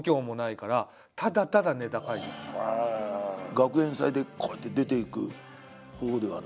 学園祭でこうやって出ていくほうではなく？